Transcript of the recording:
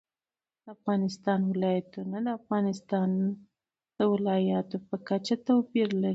د افغانستان ولايتونه د افغانستان د ولایاتو په کچه توپیر لري.